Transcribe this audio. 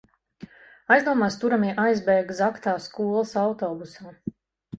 Aizdomās turamie aizbēga zagtā skolas autobusā.